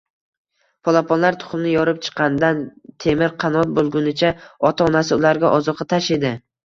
Polaponlar tuxumni yorib chiqqanidan temirqanot boʻlgunicha ota-onasi ularga ozuqa tashiydi.